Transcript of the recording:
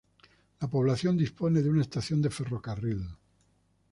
La población dispone de una estación de ferrocarril.